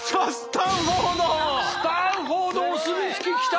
スタンフォードお墨付ききた！